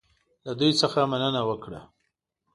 له دوی څخه مننه وکړه.